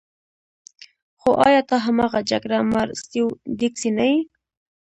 خو ایا ته هماغه جګړه مار سټیو ډیکسي نه یې